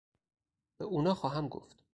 به اونا خواهم گفت.